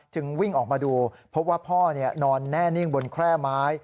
วิ่งออกมาดูพบว่าพ่อนอนแน่นิ่งบนแคร่ไม้